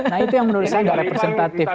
nah itu yang menurut saya nggak representatif